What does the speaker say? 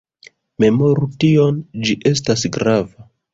Memoru tion, ĝi estas grava.